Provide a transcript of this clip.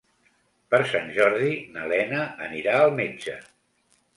Per Sant Jordi na Lena anirà al metge.